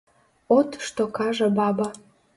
От што кажа баба.